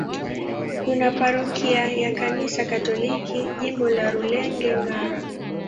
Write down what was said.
Kuna parokia ya Kanisa Katoliki, Jimbo la Rulenge-Ngara.